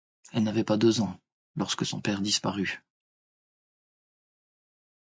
Elle n’avait pas deux ans lorsque son père disparut.